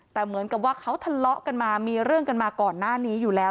แต่เหมือนกับว่าเขาทะเลาะกันมามีเรื่องกันมาก่อนหน้านี้อยู่แล้ว